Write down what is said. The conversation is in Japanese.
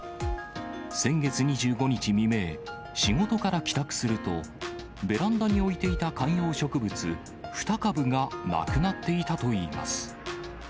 先月２５日未明、仕事から帰宅すると、ベランダに置いていた観葉植物２株がなくなっていたといいます。